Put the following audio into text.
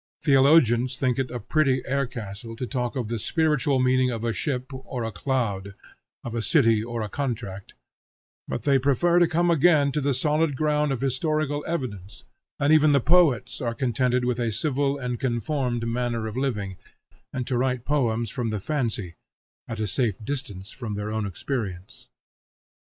Theologians think it a pretty air castle to talk of the Spiritual meaning of a ship or a cloud, of a city or a contract, but they prefer to come again to the solid ground of historical evidence; and even the poets are contented with a civil and conformed manner of living, and to write poems from the fancy, at a safe distance from their own experience.